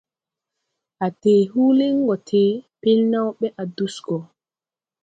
A tee huulin gɔ tee, pelnew bɛ a dus gɔ do.